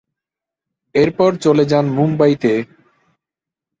এরপর চলে যান মুম্বাইতে।